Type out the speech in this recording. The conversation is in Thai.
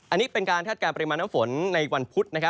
อันนี้เป็นการคาดการณปริมาณน้ำฝนในวันพุธ